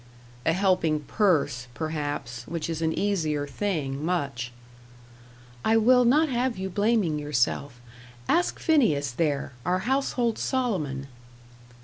"A helping purse, perhaps, which is an easier thing, much." "I will not have you blaming yourself. Ask Phineas, there our household Solomon."